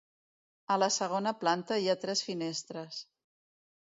A la segona planta hi ha tres finestres.